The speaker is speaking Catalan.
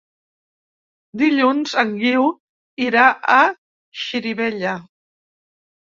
Dilluns en Guiu irà a Xirivella.